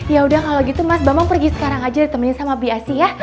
yaudah kalau gitu mas bambang pergi sekarang aja ditemani sama biasi ya